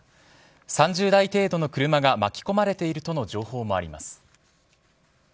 ３０台程度の車が巻き込まれているとの情報もあります。